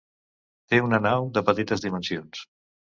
Té una nau, de petites dimensions.